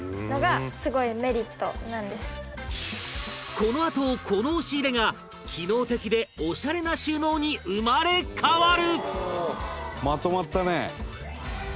このあとこの押し入れが機能的でオシャレな収納に生まれ変わる